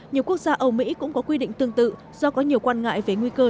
nhiều quốc gia âm mỹ cũng có quy định tương tự do có nhiều quan ngại về nguy cơ